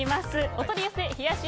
お取り寄せ冷やし